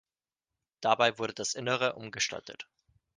Dabei wurde das Innere umgestaltet.